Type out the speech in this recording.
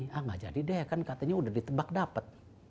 ah nggak jadi deh kan katanya udah ditebak dapat